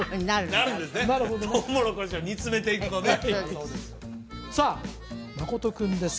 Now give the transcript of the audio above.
とうもろこしを煮詰めていくとねさあ真君です